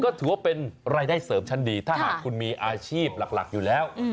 ก็ถือว่าเป็นรายได้เสริมชั้นดีถ้าหากคุณมีอาชีพหลักอยู่แล้ว